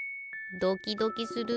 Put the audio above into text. ドキドキする。